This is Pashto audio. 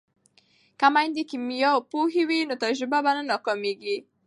که میندې کیمیا پوهې وي نو تجربې به نه ناکامیږي.